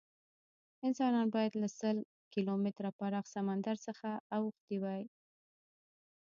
انسانان باید له سل کیلومتره پراخ سمندر څخه اوښتي وی.